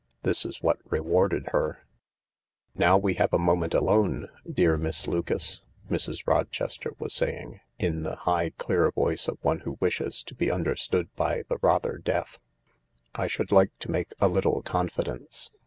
This is what rewarded her :" Now we have a moment alone, dear Miss Lucas," Mrs. Rochester was saying, in t he high, clear voice of one who wishes to be understood by the rather deaf, 44 1 should like to make a little confidence.